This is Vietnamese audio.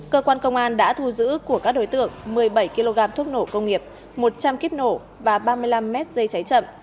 cơ quan công an đã thu giữ của các đối tượng một mươi bảy kg thuốc nổ công nghiệp một trăm linh kíp nổ và ba mươi năm m dây cháy chậm